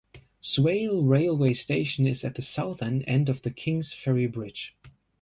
Swale railway station is at the southern end of the Kingsferry Bridge.